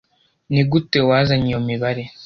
Nigute wazanye iyo mibare?